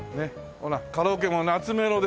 ほらカラオケも懐メロですよ。